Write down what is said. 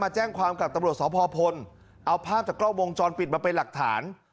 แจ้งความกับตำรวจสพพลเอาภาพจากกล้องวงจรปิดมาเป็นหลักฐาน